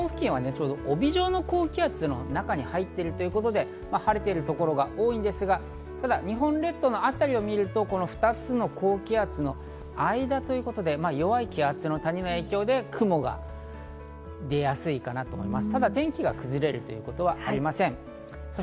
日本付近はちょうど帯状の高気圧の中に入っているということで、晴れているところが多いですが、日本列島の辺りを見ると、２つの高気圧の間ということで弱い気圧の谷の影響で雲が出やすいかなと思います。